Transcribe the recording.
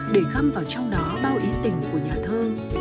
để găm vào trong đó bao ý tình của nhà thơ